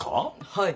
はい。